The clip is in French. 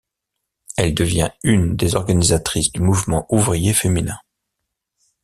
Elle devient une des organisatrices du mouvement ouvrier féminin.